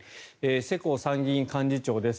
世耕参院幹事長です。